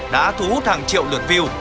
đã thú hút hàng triệu lượt view